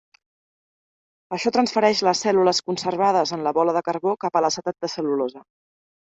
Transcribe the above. Això transfereix les cèl·lules conservades en la bola de carbó cap a l'acetat de cel·lulosa.